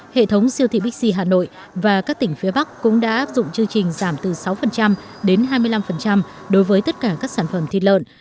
hệ thống siêu thị bixi hà nội và các tỉnh phía bắc cũng đã áp dụng chương trình giảm từ sáu đến hai mươi năm đối với tất cả các sản phẩm thịt lợn